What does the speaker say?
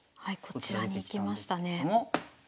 はいこちらに行きましたね。